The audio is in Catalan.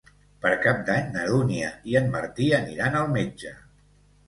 Per Cap d'Any na Dúnia i en Martí aniran al metge.